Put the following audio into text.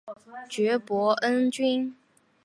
爵波恩君。